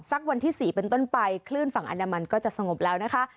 วันที่๔เป็นต้นไปคลื่นฝั่งอันดามันก็จะสงบแล้วนะคะ